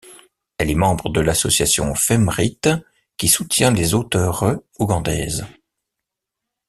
Elle est membre de l'association Femrite, qui soutient les auteures ougandaises.